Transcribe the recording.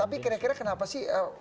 tapi kira kira kenapa sih